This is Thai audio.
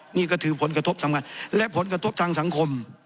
นี่ก็ถือผลกระทบสำคัญและผลกระทบทางสังคม